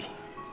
wulan purna itu